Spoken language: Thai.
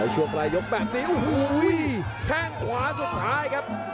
ช่วงปลายยกแบบนี้โอ้โหแข้งขวาสุดท้ายครับ